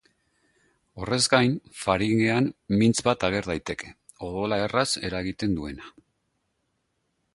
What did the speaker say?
Horrez gain, faringean mintz bat ager daiteke, odola erraz eragiten duena.